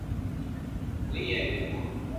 维耶于佐。